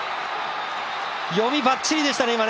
読み、ばっちりでしたね。